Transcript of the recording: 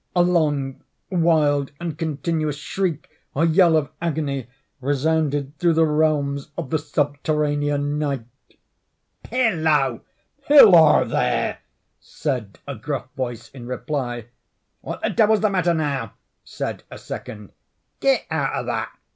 A long, wild, and continuous shriek, or yell of agony, resounded through the realms of the subterranean Night. "Hillo! hillo, there!" said a gruff voice, in reply. "What the devil's the matter now!" said a second. "Get out o' that!"